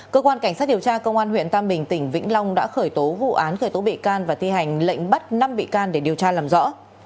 cơ quan cảnh sát điều tra công an huyện tam bình tỉnh vĩnh long đã khởi tố vụ án khởi tố bị can và thi hành lệnh bắt năm bị can để điều tra làm rõ